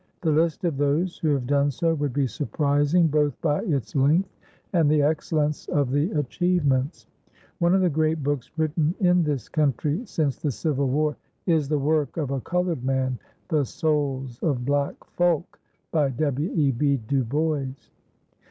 The list of those who have done so would be surprising both by its length and the excellence of the achievements. One of the great books written in this country since the Civil War is the work of a colored man, "The Souls of Black Folk," by W.E.B. Du Bois.